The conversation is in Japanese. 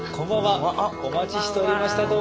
お待ちしておりました。